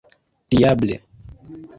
diable